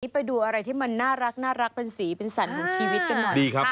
ไปดูอะไรที่มันน่ารักเป็นสีเป็นสันของชีวิตกันหน่อยดีครับ